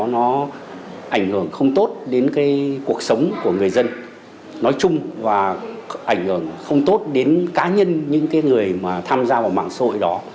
nó ảnh hưởng không tốt đến cái cuộc sống của người dân nói chung và ảnh hưởng không tốt đến cá nhân những người mà tham gia vào mạng xã hội đó